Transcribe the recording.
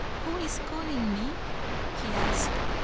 "Who is calling me?" he asked.